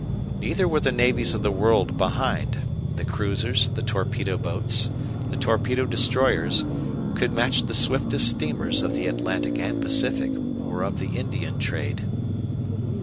Neither were the navies of the world behind. The cruisers, the torpedo boats, the torpedo destroyers, could match the swiftest steamers of the Atlantic and Pacific, or of the Indian trade.